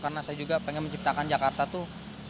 karena saya juga pengen menciptakan jakarta tuh